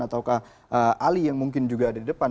ataukah ali yang mungkin juga ada di depan